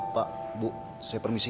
pak bu saya permisi